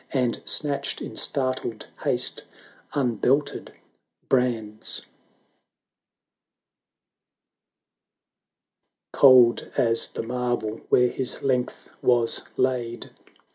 And snatched, in startled haste, un belted brands. 210 Cold as the marble where his length was laid.